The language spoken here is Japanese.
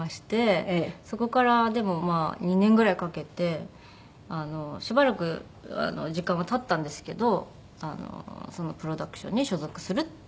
そこからでもまあ２年ぐらいかけてしばらく時間は経ったんですけどそのプロダクションに所属するっていう風になりました。